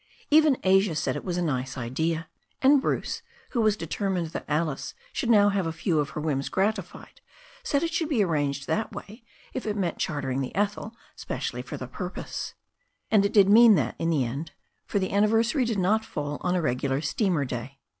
Even Asia said it was a nice idea, and Bruce, who was determined that Alice should now have a few of her whims gratified, said it should be arranged that way if it meant chartering the Ethel specially for the occasion. And it did mean that in the end, for the anniversary did not fall on a regular steamer day.